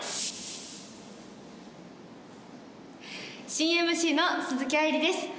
新ＭＣの鈴木愛理です！